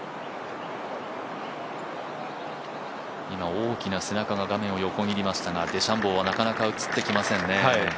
今、大きな背中が画面を横切りましたがデシャンボーはなかなか映ってきませんね。